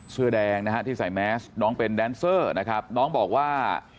เสื้อแดงนะฮะที่ใส่แมสน้องเป็นแดนเซอร์นะครับน้องบอกว่า